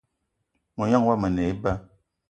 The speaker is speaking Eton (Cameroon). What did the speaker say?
Mognan yomo a ne eba